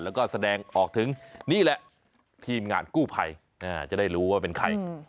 แล้วก็แสดงออกถึงนี่แหละทีมงานกู้ภัยจะได้รู้ว่าเป็นใคร